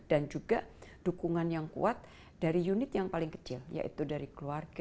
dan juga dukungan yang kuat dari unit yang paling kecil yaitu dari keluarga